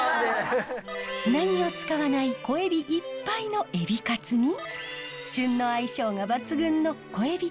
つなぎを使わない小エビいっぱいのエビカツに旬の相性が抜群の小エビとナスの炊いたん。